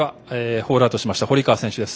ホールアウトしました堀川選手です。